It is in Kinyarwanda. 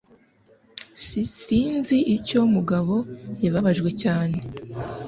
S Sinzi icyo Mugabo yababajwe cyane